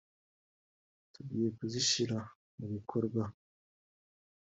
tugiye kuzishyira mu bikorwa